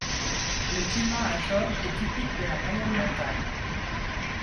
Le climat à Job est typique de la moyenne montagne.